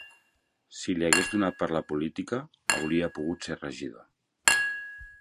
Si li hagués donat per la política, hauria pogut ser regidor